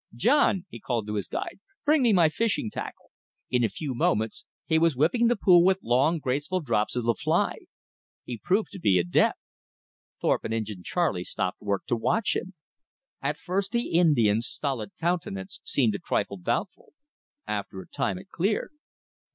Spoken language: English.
John," he called to his guide, "bring me my fishing tackle." In a few moments he was whipping the pool with long, graceful drops of the fly. He proved to be adept. Thorpe and Injin Charley stopped work to watch him. At first the Indian's stolid countenance seemed a trifle doubtful. After a time it cleared.